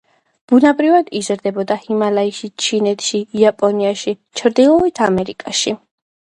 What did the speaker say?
ბუნებრივად იზრდება ჰიმალაიში, ჩინეთში, იაპონიაში, ჩრდილოეთ ამერიკაში.